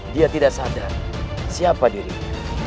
dia tidak sadar siapa dirinya